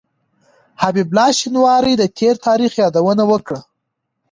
حسيب الله شينواري د تېر تاريخ يادونه وکړه.